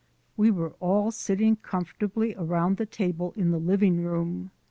We were all sitting comfortably around the table in the living room.